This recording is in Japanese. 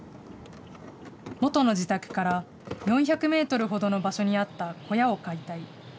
元の自宅から４００メートルほどの場所にあった小屋を解体。